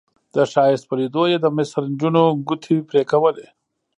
د ښایست په لیدو یې د مصر نجونو ګوتې پرې کولې.